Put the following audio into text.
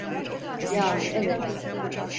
Ya, evet.